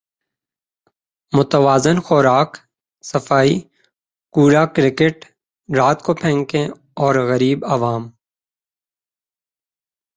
متوازن خوراک صفائی کوڑا کرکٹ رات کو پھینکیں اور غریب عوام